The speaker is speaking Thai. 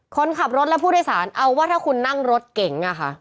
คนขับรถและผู้โดยสารเอาว่าถ้าคุณนั่งรถเก๋งอะค่ะ